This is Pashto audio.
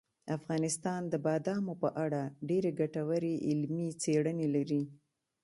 افغانستان د بادامو په اړه ډېرې ګټورې علمي څېړنې لري.